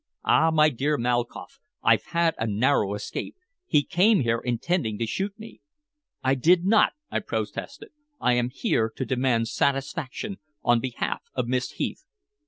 Ah, my dear Malkoff, I've had a narrow escape! He came here intending to shoot me." "I did not," I protested. "I am here to demand satisfaction on behalf of Miss Heath."